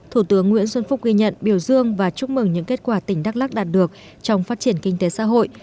thủ tướng nguyễn xuân phúc ghi nhận biểu dương và chúc mừng những kết quả tỉnh đắk lắc đạt được trong phát triển kinh tế xã hội